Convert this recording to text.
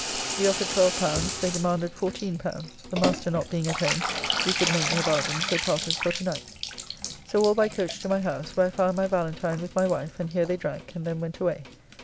We offered L12, they demanded L14. The Master not being at home, we could make no bargain, so parted for to night. So all by coach to my house, where I found my Valentine with my wife, and here they drank, and then went away.